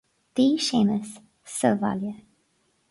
Bhí Séamus sa bhaile